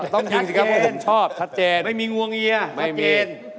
ต้องยิงสิครับผมชอบชัดเจนไม่มีงวงเงียชัดเจน